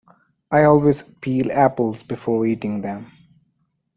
I always peel apples before eating them.